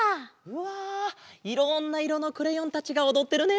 わあいろんないろのクレヨンたちがおどってるね！